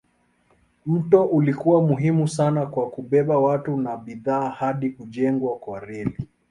Mto ulikuwa muhimu sana kwa kubeba watu na bidhaa hadi kujengwa kwa reli.